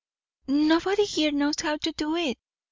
"Nobody here knows how to do it."